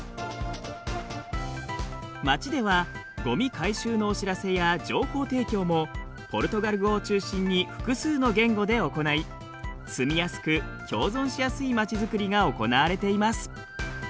町ではゴミ回収のお知らせや情報提供もポルトガル語を中心に複数の言語で行い住みやすく共存しやすい町づくりが行われています。